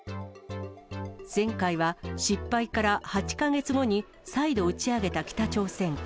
前回は失敗から８か月後に再度打ち上げた北朝鮮。